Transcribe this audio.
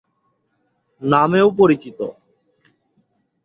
নামেও পরিচিত।